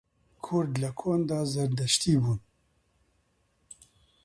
کورد لە کۆندا زەردەشتی بوون